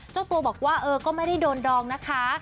เจ้าตัวบอกว่าเออก็ไม่ได้โดนดองนะคะ